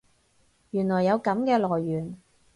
原來有噉嘅來源